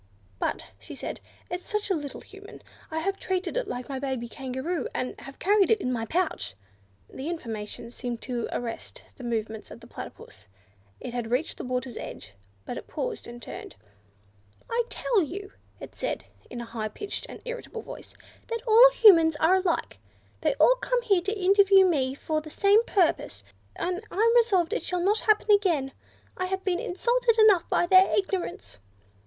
"But," she said, "it's such a little Human! I have treated it like my baby Kangaroo, and have carried it in my pouch." This information seemed to arrest the movements of the Platypus; it had reached the water's edge, but it paused, and turned. "I tell you," it said in a high pitched and irritable voice, "that all Humans are alike! They all come here to interview me for the same purpose, and I'm resolved it shall not happen again; I have been insulted enough by their ignorance."